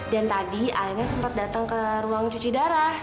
dan tadi alena sempat datang ke ruang cuci darah